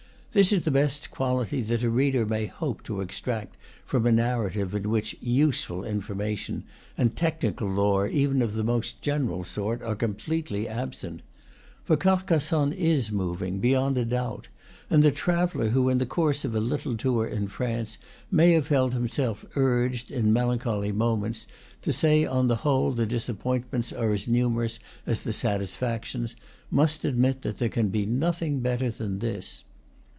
This is the best quality that a reader may hope to extract from a narrative in which "useful information" and technical lore even of the most general sort are completely absent. For Carcassonne is moving, beyond a doubt; and the traveller who, in the course of a little tour in France, may have felt himself urged, in melancholy moments, to say that on the whole the disappointments are as numerous as the satisfactions, must admit that there can be nothing better than this.